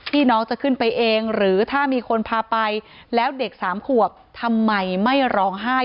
น้องจะขึ้นไปเองหรือถ้ามีคนพาไปแล้วเด็กสามขวบทำไมไม่ร้องไห้